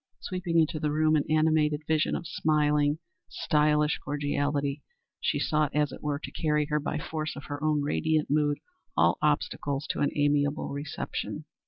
Sweeping into the room, an animated vision of smiling, stylish cordiality, she sought, as it were, to carry before her by force of her own radiant mood all obstacles to an amiable reception.